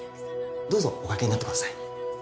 どうぞおかけになってください